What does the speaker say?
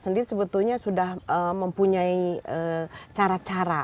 sendiri sebetulnya sudah mempunyai cara cara